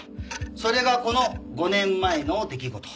それがこの５年前の出来事。